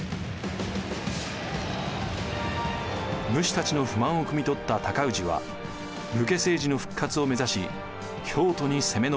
武士たちの不満をくみ取った尊氏は武家政治の復活を目指し京都に攻め上ります。